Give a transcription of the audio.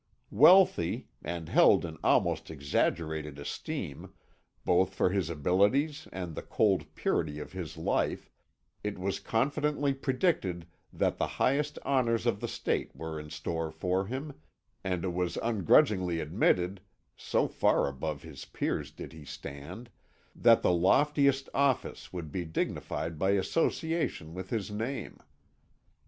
Wealthy, and held in almost exaggerated esteem, both for his abilities and the cold purity of his life, it was confidently predicted that the highest honours of the state were in store for him, and it was ungrudgingly admitted so far above his peers did he stand that the loftiest office would be dignified by association with his name.